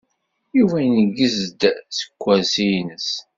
Yuba ineggez-d seg ukersi-ines.